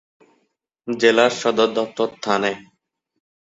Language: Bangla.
জেলার সদর দপ্তর থানে।